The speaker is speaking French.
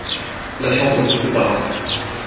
La chambre se sépara.